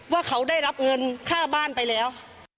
ว่าเขาได้รับเงินค่าบ้านไปแล้ว